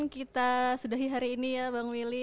kita sudahi hari ini ya bang willy